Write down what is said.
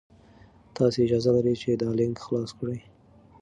تاسي اجازه لرئ چې دا لینک خلاص کړئ.